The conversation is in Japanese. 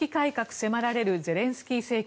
迫られるゼレンスキー政権。